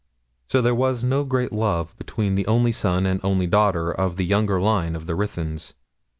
So there was no great love between the only son and only daughter of the younger line of the Ruthyns.